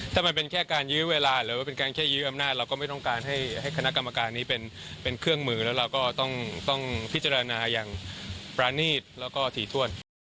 ถ้ามันเป็นแค่การยื้อเวลาหรือว่าเป็นการแค่ยื้ออำนาจเราก็ไม่ต้องการให้คณะกรรมการนี้เป็นเครื่องมือแล้วเราก็ต้องพิจารณาอย่างประนีตแล้วก็ถี่ถ้วน